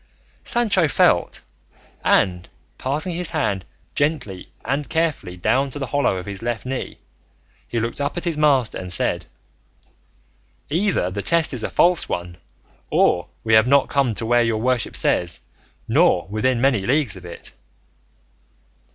Sancho felt, and passing his hand gently and carefully down to the hollow of his left knee, he looked up at his master and said, "Either the test is a false one, or we have not come to where your worship says, nor within many leagues of it."